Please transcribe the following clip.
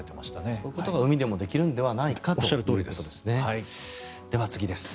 そういうことが海でもできるんじゃないかということですね。